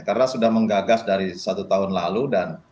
karena sudah menggagas dari satu tahun lalu dan